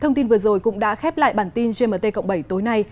thông tin vừa rồi cũng đã khép lại bản tin gmt cộng bảy tối nay